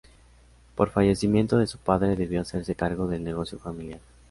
Por fallecimiento de su padre, debió hacerse cargo del negocio familiar.